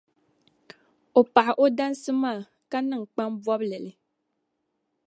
o paɣi o dansi maa, ka niŋ kpam bɔbili li.